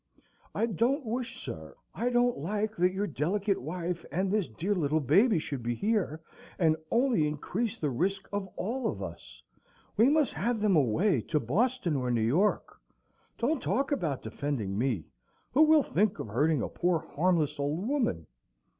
I don't wish, sir, I don't like that your delicate wife and this dear little baby should be here, and only increase the risk of all of us! We must have them away to Boston or New York. Don't talk about defending me! Who will think of hurting a poor, harmless, old woman?